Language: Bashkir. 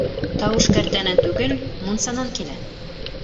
Тауыш кәртәнән түгел, мунсанан килә!